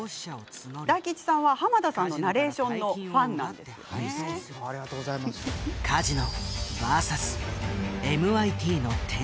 大吉さんは濱田さんのナレーションのファンなんですね。